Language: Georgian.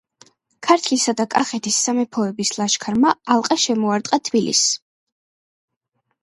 ქართლისა და კახეთის სამეფოების ლაშქარმა ალყა შემოარტყა თბილისს.